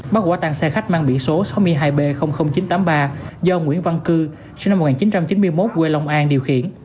bắt quả tăng xe khách mang biển số sáu mươi hai b chín trăm tám mươi ba do nguyễn văn cư sinh năm một nghìn chín trăm chín mươi một quê long an điều khiển